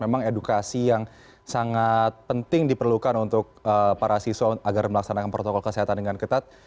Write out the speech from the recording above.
memang edukasi yang sangat penting diperlukan untuk para siswa agar melaksanakan protokol kesehatan dengan ketat